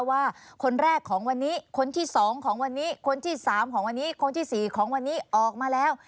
ว่าคนแรกของวันนี้คนที่๒ของวันนี้คนที่๓ของวันนี้คนที่๔ของวันนี้ออกมาแล้ว